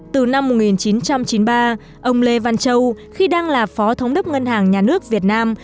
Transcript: từ năm một nghìn chín trăm chín mươi ba ông lê văn châu khi đang là phó thống đốc ngân hàng nhà nước việt nam